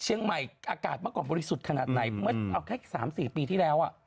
เชียงใหม่อากาศมากกว่าบริสุทธิ์ขนาดไหนเอาแค่๓๔ปีที่แล้ว